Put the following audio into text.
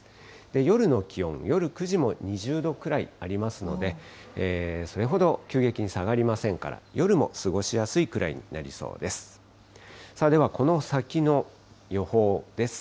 夜の気温、夜９時も２０度くらいありますので、それほど急激に下がりませんから、夜も過ごしやすいくらいになりそうです。